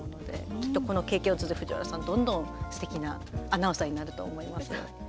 きっとこの経験を積んで藤原さん、どんどんすてきなアナウンサーになると思いますよ。